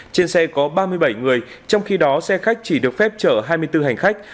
trên xe có ba mươi bảy người trong khi đó xe khách chỉ được phép chở hai mươi bốn hành khách